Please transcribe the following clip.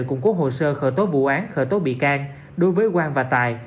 củng cố hồ sơ khởi tố vụ án khởi tố bị can đối với quang và tài